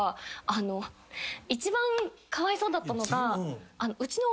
あの一番かわいそうだったのがうちの。